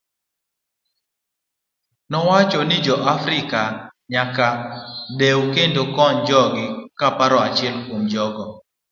Nowach ni jo africa nyaka dew kendo kony jogi kaponi achiel kuom jogo.